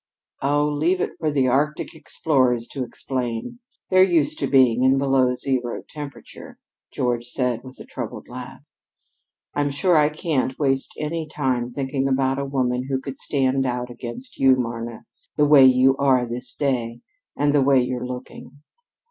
"Oh, leave it for the Arctic explorers to explain. They're used to being in below zero temperature," George said with a troubled laugh. "I'm sure I can't waste any time thinking about a woman who could stand out against you, Marna, the way you are this day, and the way you're looking."